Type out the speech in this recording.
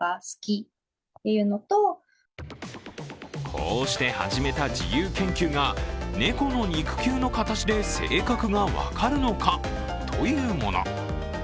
こうして、始めた自由研究が猫の肉球の形で性格が分かるのかというもの。